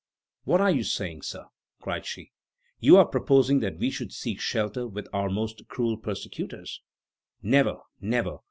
"What are you saying, Sir?" cried she; "you are proposing that we should seek shelter with our most cruel persecutors! Never! never!